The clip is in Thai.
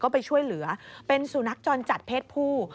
ไปช่วยเหลือเป็นสุนัขจรจัดเพศผู้